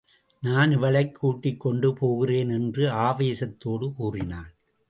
நான் இவளைக் கூட்டிக் கொண்டு போகிறேன் என்று ஆவேசத்தோடு கூறினான்.